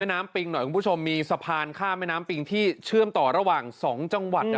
น้ำปิงหน่อยคุณผู้ชมมีสะพานข้ามแม่น้ำปิงที่เชื่อมต่อระหว่าง๒จังหวัด